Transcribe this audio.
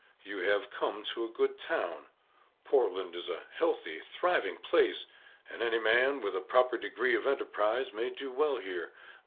You have come to a good town; Portland is a healthy, thriving place, and any man with a proper degree of enterprise may do well here.